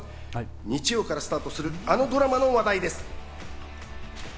日曜からスタートする、あのドラマの話題です。